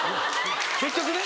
結局ね。